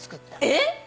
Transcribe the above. えっ！？